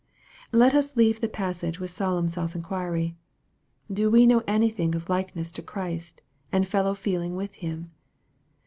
Let us leave the passage with solemn self inquiry. Do we know anything of likeness to Christ, and fellow feeling with Him